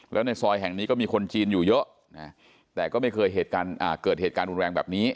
แล้วในซอยแห่งนี้ก็มีคนจีนอยู่เยอะแต่ก็ไม่เคยเกิดเหตุการณ์รุนแรงแบบนี้